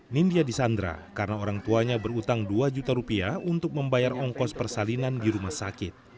nindya disandra karena orang tuanya berutang dua juta rupiah untuk membayar ongkos persalinan di rumah sakit